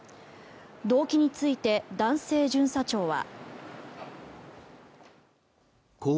動機について男性巡査長は。